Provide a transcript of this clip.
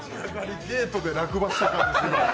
ゲートで落馬した感じ。